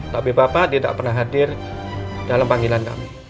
tapi bapak tidak pernah hadir dalam panggilan kami